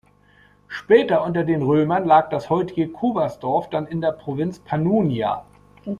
Später unter den Römern lag das heutige Kobersdorf dann in der Provinz Pannonia.